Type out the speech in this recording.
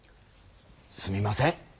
すみません。